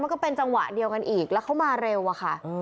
ก็เป็นจังหวะเดียวกันอีกแล้วเขามาเร็วอะค่ะ